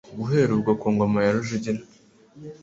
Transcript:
Guhera ubwo, ku ngoma ya Rujugira,